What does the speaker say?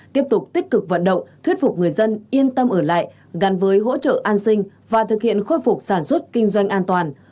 tiếp tục tích cực vận động thuyết phục người dân yên tâm ở lại gắn với hỗ trợ an sinh và thực hiện khôi phục sản xuất kinh doanh an toàn